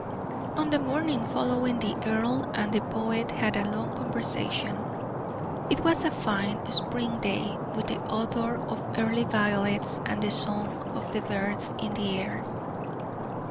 On the morning following the earl and the poet had a long conversation. It was a fine spring day, with the odor of early violets and the song of the birds in the air.